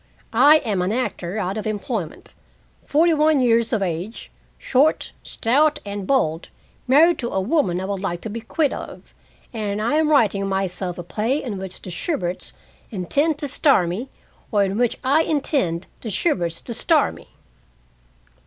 I am an actor out of employment, forty one years of age, short, stout, and bald, married to a woman I would like to be quit of, and I am writing myself a play in which the Shuberts intend to star me, or in which I intend the Shuberts to star me."